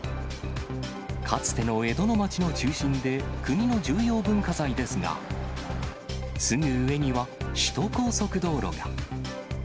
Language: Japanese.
かつての江戸の町の中心で、国の重要文化財ですが、すぐ上には首都高速道路が。